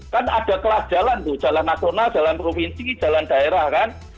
kan ada kelas jalan tuh jalan nasional jalan provinsi jalan daerah kan